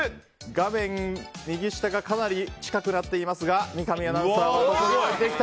画面右下がかなり近くなっていますが三上アナウンサー置いてきた！